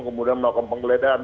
kemudian melakukan penggeledahan